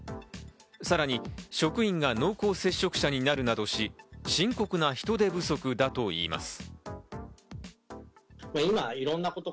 さらに職員が濃厚接触者になるなどし、深刻な人手不足だといいます。